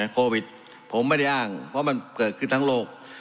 โควิดผมไม่ได้อ้างเพราะมันเกิดขึ้นทั้งโลก